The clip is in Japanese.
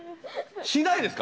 しないですか？